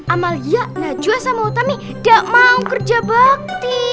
amalia naju asamu utami gak mau kerja bakti